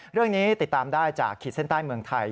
เรื่องนี้ติดตามได้จากขีดเส้นใต้เมืองไทย